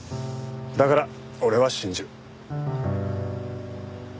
だから俺は信じる。